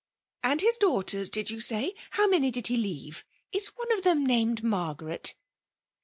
" And his daughters^ did you say ? How many did he leave ? Is one of them named Margaret